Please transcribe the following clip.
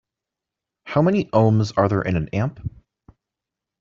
How many ohms are there in an amp?